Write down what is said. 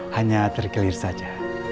hanya terkeliru saja